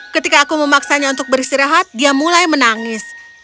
ketika aku memaksanya untuk beristirahat dia mulai menangis